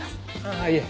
あぁいえ。